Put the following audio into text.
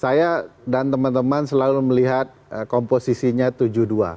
saya dan teman teman selalu melihat komposisinya tujuh dua